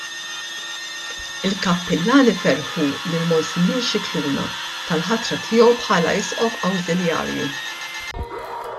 Il-Kappillani ferħu lill-Monsinjur Scicluna tal-ħatra tiegħu bħala Isqof Awżiljarju.